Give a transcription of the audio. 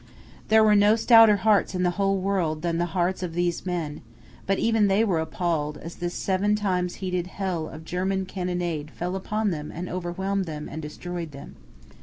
There were no stouter hearts in the whole world than the hearts of these men; but even they were appalled as this seven times heated hell of the German cannonade fell upon them and overwhelmed them and destroyed them.